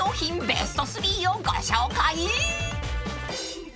ベスト３をご紹介］